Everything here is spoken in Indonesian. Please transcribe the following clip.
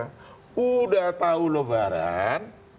sudah tahu lebaran